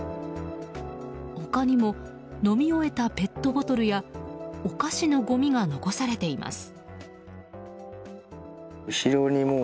他にも飲み終えたペットボトルやお菓子のごみが残されています。